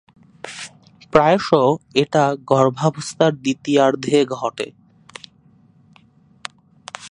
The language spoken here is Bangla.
প্রায়শ এটা গর্ভাবস্থার দ্বিতীয়ার্ধে ঘটে।